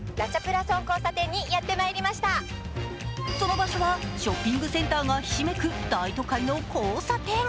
その場所はショッピングセンターがひしめく大都会の交差点。